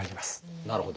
なるほど。